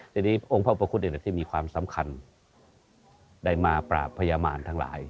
ทีนี้องค์พระอุปกรณ์เองแหละที่มีความสำคัญได้มาปราบพญามารทั้งหลาย